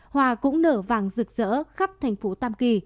hoa cũng nở vàng rực rỡ khắp thành phố tam kỳ